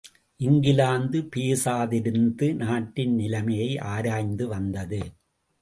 இங்கிலாந்து பேசாதிருந்து நாட்டின் நிலைமையை ஆராய்ந்து வந்தது.